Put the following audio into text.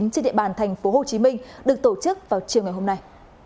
trên địa bàn tp hcm được tổ chức vào chiều ngày hôm nay